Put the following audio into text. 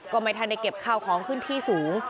ก็ไม่ทันได้เก็บข้าวของขึ้นที่สูง